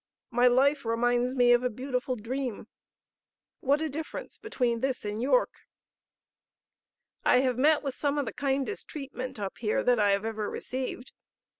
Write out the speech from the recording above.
My life reminds me of a beautiful dream. What a difference between this and York!... I have met with some of the kindest treatment up here that I have ever received....